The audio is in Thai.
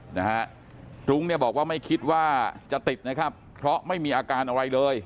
นะฮะรุ้งเนี่ยบอกว่าไม่คิดว่าจะติดนะครับเพราะไม่มีอาการอะไรเลย